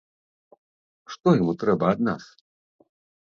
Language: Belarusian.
Што яму трэба ад нас?